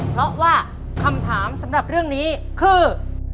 เพราะว่าคำถามสำหรับเรื่องนี้คือ